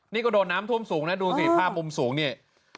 นี่ก็โดนน้ำท่วมสูงนะดูสิภาพมุมสูงนี่